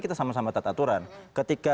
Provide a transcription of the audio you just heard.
kita sama sama taat aturan ketika